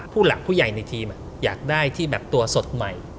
ผู้หลักผู้ใหญ่ในทีมอยากได้ที่แบบตัวสดใหม่